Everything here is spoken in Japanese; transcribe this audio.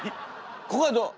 ここはどう？